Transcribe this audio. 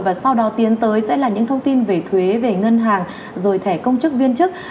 và sau đó tiến tới sẽ là những thông tin về thuế về ngân hàng rồi thẻ công chức viên chức